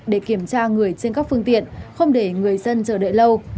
để kiểm tra người trên các phương tiện không để người dân chờ đợi lâu